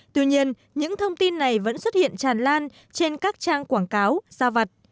tuy nhiên những thông tin này vẫn xuất hiện tràn lan trên các trang quảng cáo gia vật